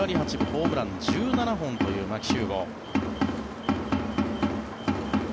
ホームラン１７本という牧秀悟。